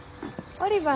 オリバー